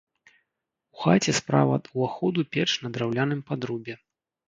У хаце справа ад уваходу печ на драўляным падрубе.